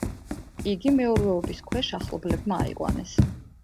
იგი მეურვეობის ქვეშ ახლობლებმა აიყვანეს.